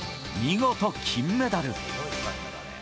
見事、金メダル。